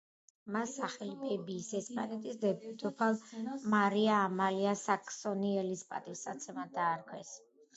მას სახელი ბებიის, ესპანეთის დედოფალ მარია ამალია საქსონიელის პატივსაცემად დაარქვეს.